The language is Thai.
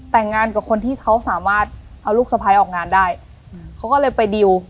แต่งงานกับคนที่เขาสามารถเอาลูกสะพ้ายออกงานได้เขาก็เลยไปดิว